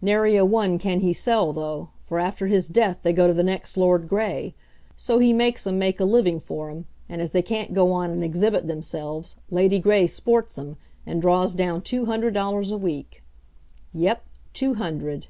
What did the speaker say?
Nary a one can he sell, though, for after his death, they go to the next Lord Gray. So he makes 'em make a living for him, and as they can't go on and exhibit themselves, Lady Gray sports 'em and draws down two hundred dollars a week. Yep two hundred.